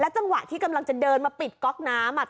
จังหวะที่กำลังจะเดินมาปิดก๊อกน้ำ